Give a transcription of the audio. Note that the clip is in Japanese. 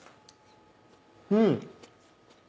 うん！